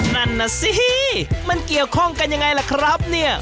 นั่นน่ะสิมันเกี่ยวข้องกันยังไงล่ะครับเนี่ย